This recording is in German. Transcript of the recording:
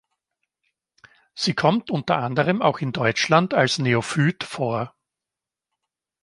Sie kommt unter anderem auch in Deutschland als Neophyt vor.